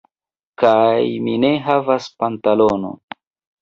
Kaj mi ne havas pantalonon.